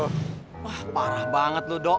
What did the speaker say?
wah parah banget lo do